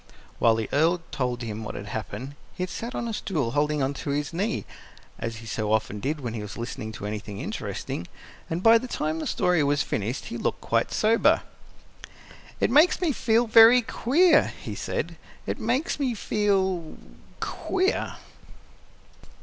While the Earl told him what had happened, he had sat on a stool holding on to his knee, as he so often did when he was listening to anything interesting; and by the time the story was finished he looked quite sober. "It makes me feel very queer," he said; "it makes me feel queer!"